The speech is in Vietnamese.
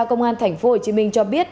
công an tp hcm cho biết